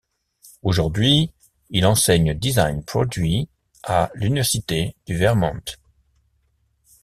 Aujourd'hui, il enseigne design produit à l'université du Vermont.